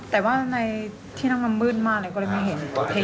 แต่ว่าในที่นั่งมืดมากเลยก็ไม่เห็น